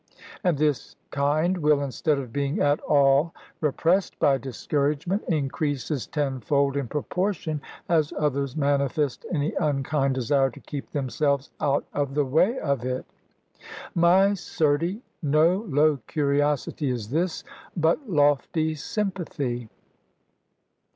And this kind will, instead of being at all repressed by discouragement, increases tenfold in proportion as others manifest any unkind desire to keep themselves out of the way of it. My certy, no low curiosity is this, but lofty sympathy.